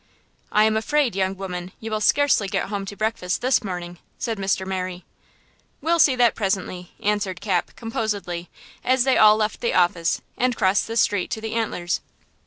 "I am afraid, young woman, you will scarcely get home to breakfast this morning," said Mr. Merry. "We'll see that presently," answered Cap, composedly, as they all left the office, and crossed the street to the Antlers.